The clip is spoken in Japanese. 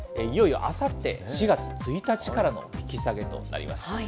いよいよあさって、４月１日からの引き下げとなります。